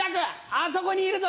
あそこにいるぞ！